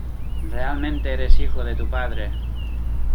Realmente eres hijo de tu padre.